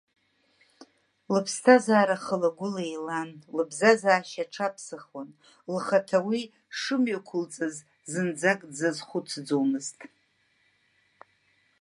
Лыԥсҭазаара хыла-гәыла еилан, лыбзазашьа аҽаԥсахуан, лхаҭа уи шымҩақәылҵаз зынӡак дзазхәыцӡомызт.